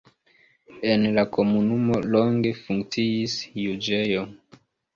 En la komunumo longe funkciis juĝejo.